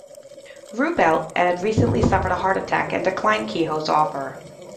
Ruppelt had recently suffered a heart attack, and declined Keyhoe's offer.